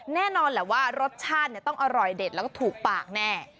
แน่นอนแหละว่ารสชาติต้องอร่อยเด็ดแล้วก็ถูกปากแน่